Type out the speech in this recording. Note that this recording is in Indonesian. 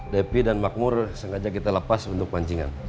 depi dan makmur sengaja kita lepas untuk pancingan